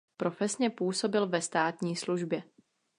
Profesně působil ve státní službě.